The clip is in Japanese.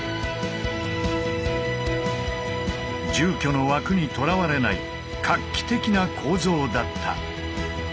住居の枠にとらわれない画期的な構造だった。